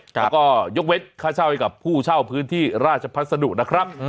แล้วก็ยกเว้นค่าเช่าให้กับผู้เช่าพื้นที่ราชพัสดุนะครับ